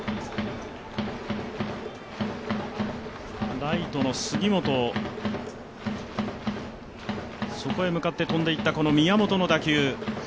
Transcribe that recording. ライトの杉本、そこへ向かって飛んでいった宮本の打球。